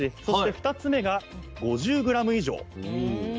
そして２つ目が５０ｇ以上。